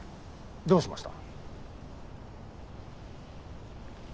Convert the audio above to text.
どうしました？